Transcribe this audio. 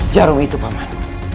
jarum itu paman